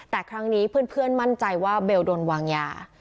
แต่ครั้งนี้เพื่อนมั่นใจว่าเบลโดนวางยา